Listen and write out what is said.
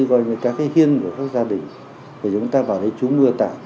gọi là các cái hiên của các gia đình để chúng ta vào đây trúng mưa tả